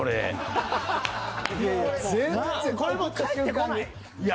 これもう返ってこない。